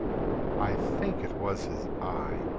I think it was his eye!